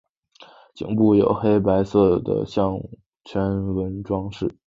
颈部有黑白色的项圈状纹饰。